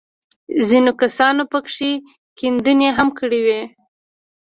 ځينو کسانو پکښې کيندنې هم کړې وې.